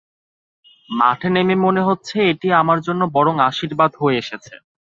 মাঠে নেমে মনে হচ্ছে, এটি আমার জন্য বরং আশীর্বাদ হয়ে এসেছে।